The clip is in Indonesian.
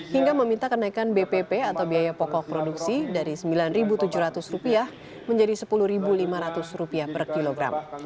hingga meminta kenaikan bpp atau biaya pokok produksi dari rp sembilan tujuh ratus menjadi rp sepuluh lima ratus per kilogram